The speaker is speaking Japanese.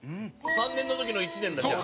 ３年の時の１年だじゃあ。